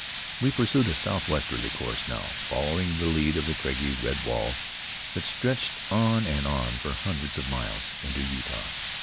We pursued a southwesterly course now, following the lead of the craggy red wall that stretched on and on for hundreds of miles into Utah.